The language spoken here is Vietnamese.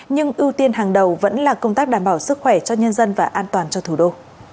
nhưng ưu tiên hàng đầu vẫn là công tác đảm bảo sức khỏe cho nhân dân và an toàn cho thủ đô